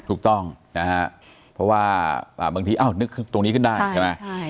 ถูกต้องนะฮะเพราะว่าบางทีนึกตรงนี้ขึ้นได้ใช่ไหม